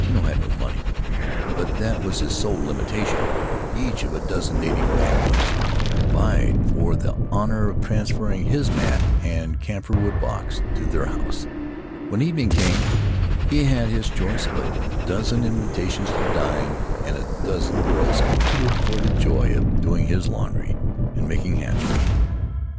Tino had no money, but that was his sole limitation; each of a dozen native families vied for the honor of transferring his mat and camphorwood box to their house; when evening came he had his choice of a dozen invitations to dine, and a dozen girls competed for the joy of doing his laundry and making hats for him.